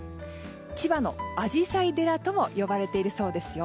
千葉のアジサイ寺とも呼ばれているそうですよ。